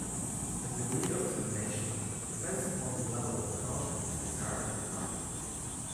The degree of examination depends upon the level of confidence desired in the target.